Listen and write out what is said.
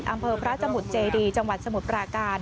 อำเภอพระสมุทรเจดีจังหวัดสมุทรปราการ